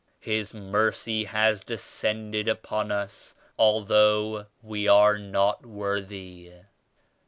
His Mercy has descended upon us al though we are not worthy."